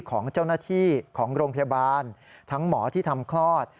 ของเจ้าหน้าที่ของโรงพยาบาลทั้งหมอที่ทำคลอด